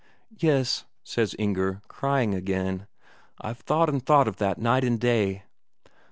"Yes," says Inger, crying again. "I've thought and thought of that night and day."